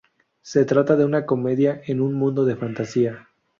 Se trata de una comedia en un mundo de fantasía.